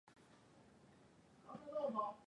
benki kuu inapokea fedha kutoka kwenye benki za biashara